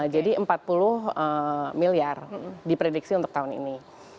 jadi empat puluh miliar diprediksi untuk tahun ini